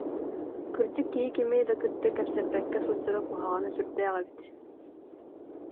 Кырдьык, киһи кими да кытта кэпсэппэккэ сылдьара куһаҕана сүрдээх эбит